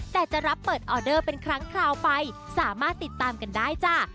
แต่จะรับเปิดออเดอร์เป็นครั้งคราวไปสามารถติดตามกันได้จ้า